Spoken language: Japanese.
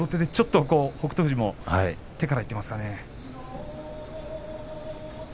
確かにもろ手でちょっと北勝富士も手からいっていますかね。